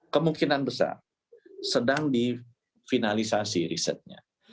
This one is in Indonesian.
kemungkinan besar sedang difinalisasi risetnya